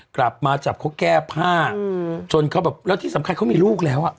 กลับมาจับเขาแก้ผ้าจนเขาแบบแล้วที่สำคัญเขามีลูกแล้วอ่ะ